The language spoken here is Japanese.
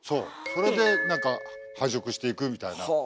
それで何か繁殖していくみたいな聞いたことある。